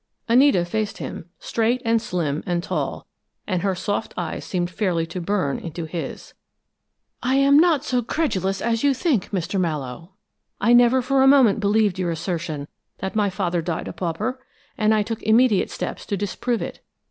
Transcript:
Anita faced him, straight and slim and tall, and her soft eyes seemed fairly to burn into his. "I am not so credulous as you think, Mr. Mallowe. I never for a moment believed your assertion that my father died a pauper, and I took immediate steps to disprove it.